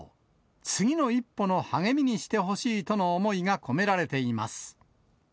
次の一歩の励みにしてほしいとの思いが込められています。